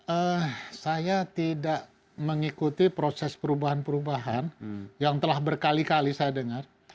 eh saya tidak mengikuti proses perubahan perubahan yang telah berkali kali saya dengar